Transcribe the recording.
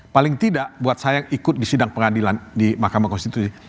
paling tidak buat saya yang ikut di sidang pengadilan di mahkamah konstitusi